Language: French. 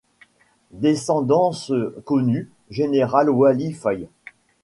Descendance connue: Général Waly Faye.